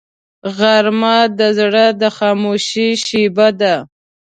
غرمه د زړه د خاموشۍ شیبه ده